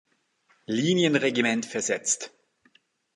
Linienregiment versetzt.